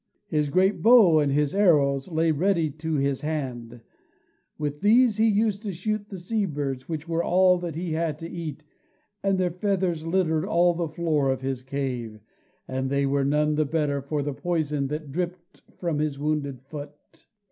His great bow and his arrows lay ready to his hand: with these he used to shoot the sea birds, which were all that he had to eat, and their feathers littered all the floor of his cave, and they were none the better for the poison that dripped from his wounded foot.